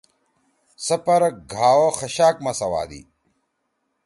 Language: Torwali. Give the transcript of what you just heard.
څپر گھا او خشاک ما سوادی۔